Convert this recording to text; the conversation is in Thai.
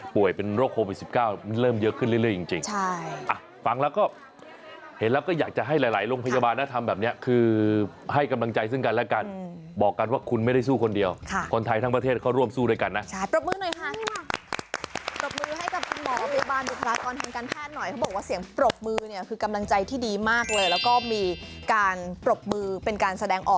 ป่วยเป็นโรคโควิด๑๙มันเริ่มเยอะขึ้นเรื่อยจริง